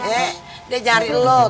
eh dia nyari lo